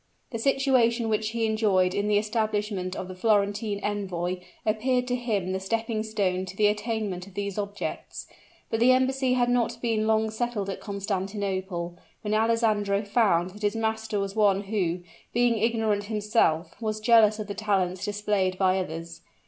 The situation which he enjoyed in the establishment of the Florentine envoy appeared to him the stepping stone to the attainment of these objects, but the embassy had not been long settled at Constantinople, when Alessandro found that his master was one who, being ignorant himself, was jealous of the talents displayed by others.